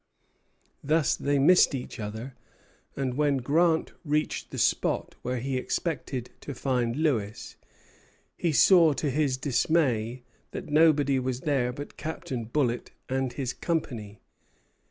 Thus they missed each other; and when Grant reached the spot where he expected to find Lewis, he saw to his dismay that nobody was there but Captain Bullitt and his company.